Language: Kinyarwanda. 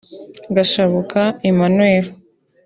Gashabuka Emmanuel